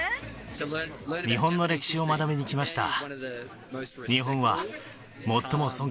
日本の歴史を学びに来ました。